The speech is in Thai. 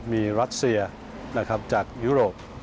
มีรัสเซียจากยุโรป